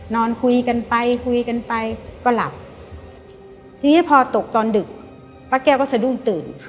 นอนคุยกันไปคุยกันไปก็หลับทีนี้พอตกตอนดึกป้าแก้วก็สะดุ้งตื่น